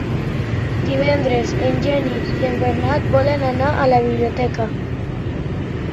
Divendres en Genís i en Bernat volen anar a la biblioteca.